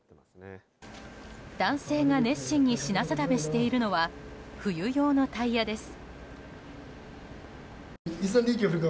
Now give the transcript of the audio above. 男性が熱心に品定めしているのは冬用のタイヤです。